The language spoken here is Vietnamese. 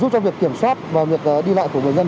giúp cho việc kiểm soát và việc đi lại của người dân